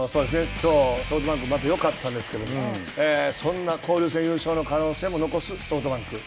きょう、ソフトバンク、よかったんですけれども、そんな交流戦優勝の可能性も残すソフトバンク。